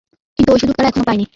কিন্তু ঐ সুযোগ তারা এখনও পায় নি।